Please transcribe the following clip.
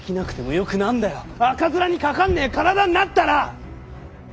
赤面にかかんねえ体になったら！